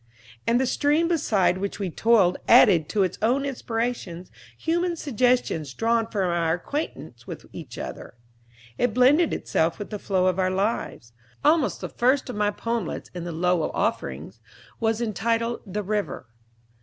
And the stream beside which we toiled added to its own inspirations human suggestions drawn from our acquaintance with each other. It blended itself with the flow of our lives. Almost the first of my poemlets in the "Lowell Offering" was entitled "The River."